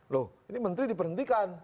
loh ini menteri diperhentikan